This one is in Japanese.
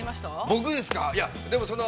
◆僕ですか？